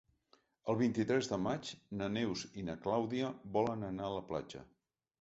El vint-i-tres de maig na Neus i na Clàudia volen anar a la platja.